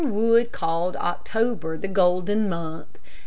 Wood called October the golden month.